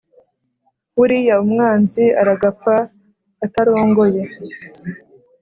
Buriya umwanzi aragapfa atarongoye